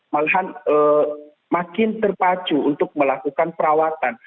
malahan makin terpacu untuk melakukan perawatan